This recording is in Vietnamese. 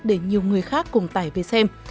để nhiều người khác cùng tải về xem